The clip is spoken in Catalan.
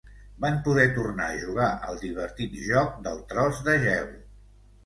Van poder tornar a jugar al divertit joc del tros de gel.